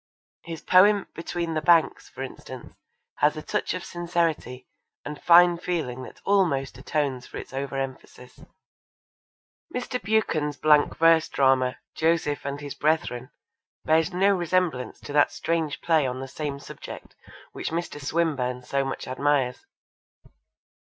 His poem Between the Banks, for instance, has a touch of sincerity and fine feeling that almost atones for its over emphasis. Mr. Buchan's blank verse drama Joseph and His Brethren bears no resemblance to that strange play on the same subject which Mr. Swinburne so much admires.